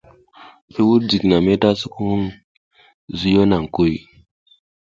I wuɗ jiginami ta sukumuŋ, zuyo naŋ kuy.